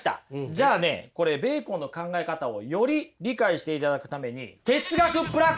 じゃあねこれベーコンの考え方をより理解していただくために哲学プラクティスです！